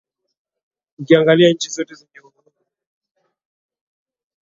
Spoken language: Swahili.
ukiangalia nchi zote zenye uhuru